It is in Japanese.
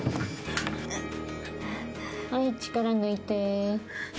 はい、力抜いて。